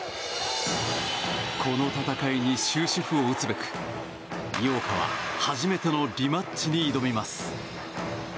この戦いに終止符を打つべく井岡は初めてのリマッチに挑みます。